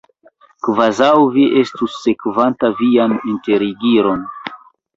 Kvazaŭ vi estus sekvanta vian enterigiron!